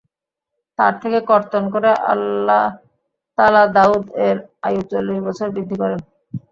তার থেকে কর্তন করে আল্লাহ তাআলা দাউদ-এর আয়ু চল্লিশ বছর বৃদ্ধি করেন।